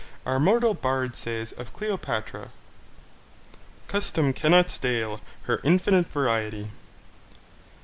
Our mortal Bard says of Cleopatra: Custom cannot stale Her infinite variety.